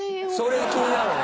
それ気になるね。